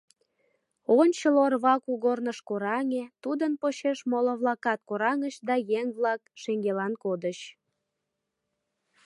Ончыл орва кугорныш кораҥе, тудын почеш моло-влакат кораҥыч да еҥ-влак шеҥгелан кодыч.